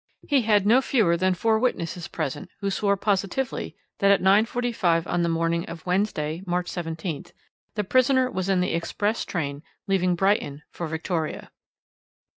He had no fewer than four witnesses present who swore positively that at 9.45 a.m. on the morning of Wednesday, March 17th, the prisoner was in the express train leaving Brighton for Victoria.